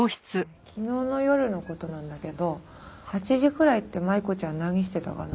昨日の夜の事なんだけど８時くらいって麻衣子ちゃん何してたかな？